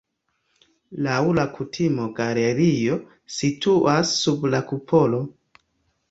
Laŭ la kutimo galerio situas sub la kupolo.